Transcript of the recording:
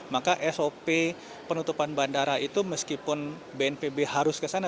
maka sop penutupan bandara itu meskipun bnpb harus kesana